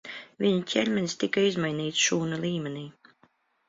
Viņa ķermenis tika izmainīts šūnu līmenī.